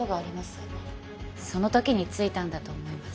その時についたんだと思います。